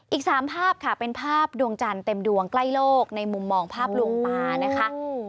อีก๓ภาพค่ะเป็นภาพดวงจันทร์เต็มดวงใกล้โลกในมุมมองภาพลวงตานะคะ